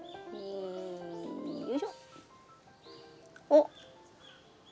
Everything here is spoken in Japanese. おっ。